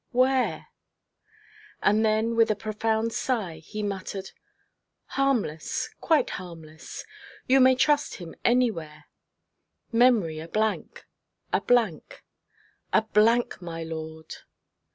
where?' And then with a profound sigh he muttered, 'Harmless, quite harmless. You may trust him anywhere. Memory a blank, a blank, a blank, my lord!'